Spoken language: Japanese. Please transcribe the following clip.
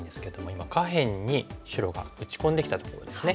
今下辺に白が打ち込んできたところですね。